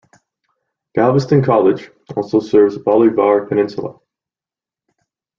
Galveston College also serves Bolivar Peninsula.